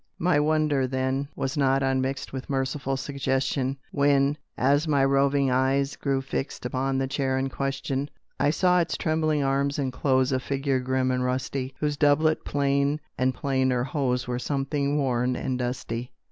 My wonder, then, was not unmixed With merciful suggestion, When, as my roving eyes grew fixed Upon the chair in question, I saw its trembling arms enclose A figure grim and rusty, Whose doublet plain and plainer hose Were something worn and dusty.